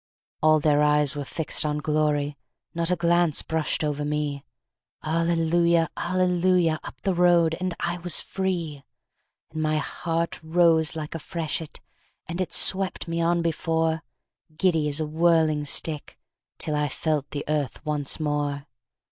All their eyes were fixed on Glory, Not a glance brushed over me; "Alleluia! Alleluia!" Up the road, and I was free. And my heart rose like a freshet, And it swept me on before, Giddy as a whirling stick, Till I felt the earth once more.